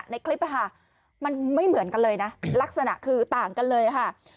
ในคลิปมันไม่เหมือนกันเลยนะลักษณะคือต่างกันเลยค่ะ